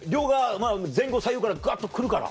まぁ前後左右からがっと来るから？